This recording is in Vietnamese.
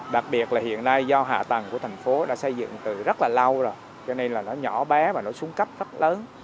đặc biệt là hiện nay do hạ tầng của thành phố đã xây dựng từ rất là lâu rồi cho nên là nó nhỏ bé và nó xuống cấp rất lớn